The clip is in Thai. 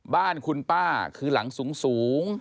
บ้านคุณป้าคือหลังสูง